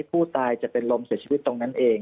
ผู้ตายจะเป็นลมเสียชีวิตตรงนั้นเอง